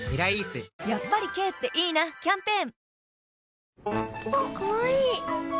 やっぱり軽っていいなキャンペーン